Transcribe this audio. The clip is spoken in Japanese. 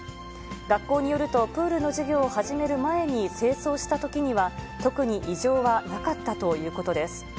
学校によると、プールの授業を始める前に清掃したときには、特に異常はなかったということです。